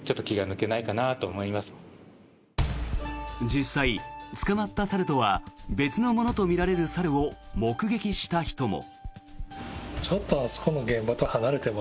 実際、捕まった猿とは別のものとみられる猿を目撃した人も。